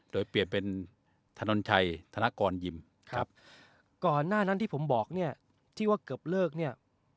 โดยเปลี่ยนเป็นถนนชัยธนกรยิมครับก่อนหน้านั้นที่ผมบอกเนี่ยที่ว่าเกือบเลิกเนี่ย